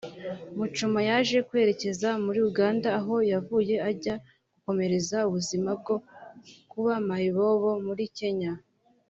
Muchoma yaje kwerekeza muri Uganda aho yavuye ajya gukomereza ubuzima bwo kuba mayibobo muri Kenya